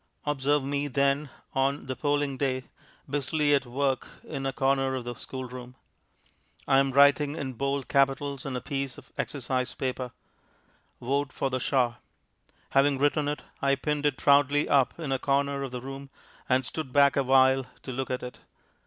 Observe me, then, on the polling day, busily at work in a corner of the schoolroom. I am writing in bold capitals on a piece of exercise paper, "Vote for the shah." Having written it, I pinned it proudly up in a corner of the room, and stood back awhile to look at it.